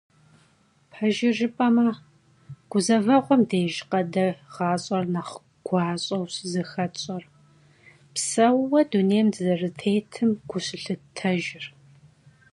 Пэжыр жыпӀэмэ, гузэвэгъуэм дежкъэ дэ гъащӀэр нэхъ гуащӀэу щызыхэтщӀэр, псэууэ дунейм дызэрытетым гу щылъыттэжыр?